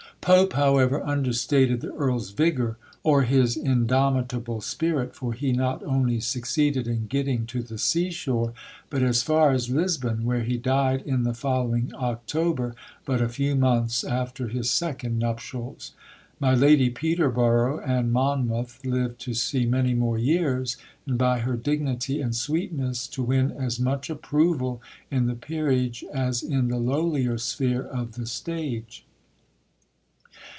Pope, however, understated the Earl's vigour or his indomitable spirit; for he not only succeeded in getting to the sea shore, but as far as Lisbon, where he died in the following October, but a few months after his second nuptials. My Lady Peterborough and Monmouth lived to see many more years, and by her dignity and sweetness to win as much approval in the Peerage as in the lowlier sphere of the stage.